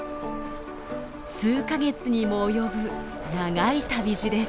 数か月にも及ぶ長い旅路です。